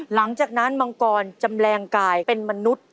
หลังจากนั้นมังกรจำแรงกายเป็นมนุษย์